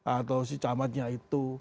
atau si camatnya itu